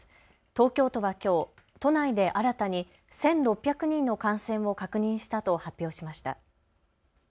東京都はきょう都内で新たに１６００人の感染を確認したと発表しました。